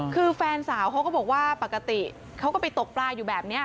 คือแฟนสาวเขาก็บอกว่าปกติเขาก็ไปตกปลาอยู่แบบนี้